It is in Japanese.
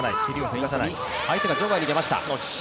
相手が場外に出ました。